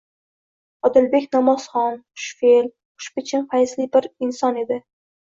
Odilbek namozxon, xushfe'l, xushbichim, fayzli bir inon edi.